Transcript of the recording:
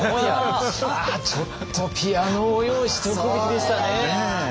ああちょっとピアノを用意しておくべきでしたね。